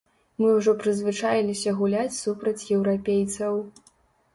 Мы ўжо прызвычаіліся гуляць супраць еўрапейцаў.